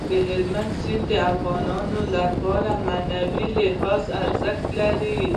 هلمند سیند د افغانانو لپاره په معنوي لحاظ ارزښت لري.